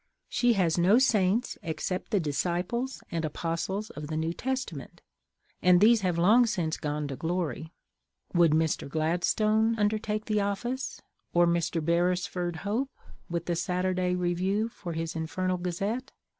She has no saints except the disciples and apostles of the New Testament, and these have long since gone to glory. Would Mr. Gladstone undertake the office? or Mr. Beresford Hope, with the Saturday Review for his infernal gazette?